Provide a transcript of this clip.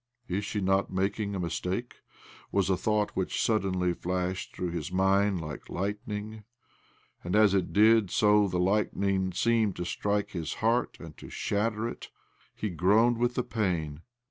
" Is she not making a mistake?" was a thought which suddenly flashed through his mind like lightnmg ; and as it did so the lightning seemed to 1 86 OBLOMOV strike his heart, and to shjttte/. it. He groaned with the pain.